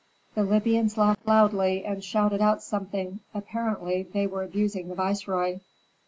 The Libyans laughed loudly and shouted out something: apparently they were abusing the viceroy.